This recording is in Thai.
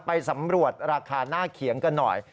ไปสำรวจราคาหน้าเขียงกันหน่อย